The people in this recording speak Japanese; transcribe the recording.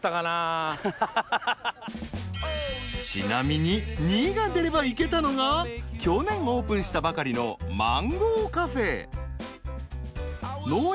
ちなみに「２」が出れば行けたのが去年オープンしたばかりのマンゴーカフェ農園